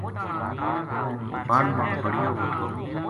بن ما بَڑیو وو تھو